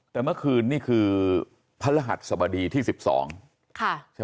แต่เมื่อคืนนี่คือพระรหัสสบดีที่๑๒ค่ะใช่ไหม